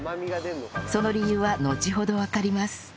その理由はのちほどわかります